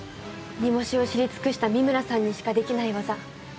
煮干しを知り尽くした三村さんにしかできない業。